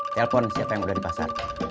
telepon siapa yang berada di pasar